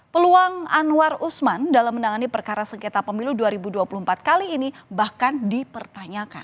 peluang anwar usman dalam menangani perkara sengketa pemilu dua ribu dua puluh empat kali ini bahkan dipertanyakan